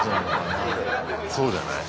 そうじゃない？